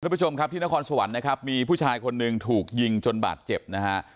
ผู้ชมครับที่นครสวรรค์นะครับมีผู้ชายคนหนึ่งถูกยิงจนบาดเจ็บนะฮะ